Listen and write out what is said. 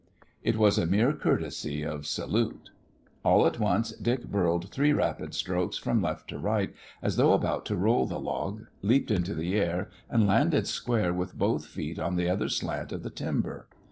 It was a mere courtesy of salute. All at once Dick birled three rapid strokes from left to right as though about to roll the log, leaped into the air and landed square with both feet on the other slant of the timber.